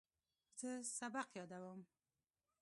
زه سبق یادوم.